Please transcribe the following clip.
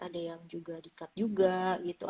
ada yang juga di cut juga gitu